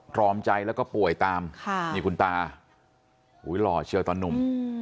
รอมใจแล้วก็ป่วยตามนี่คุณตาหล่อเชียวตอนหนุ่ม